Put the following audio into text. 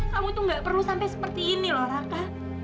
kamu tuh gak perlu sampai seperti ini loh raka